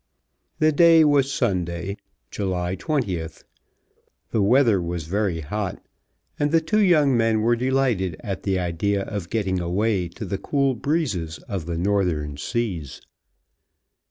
The day was Sunday, July 20th. The weather was very hot, and the two young men were delighted at the idea of getting away to the cool breezes of the Northern Seas.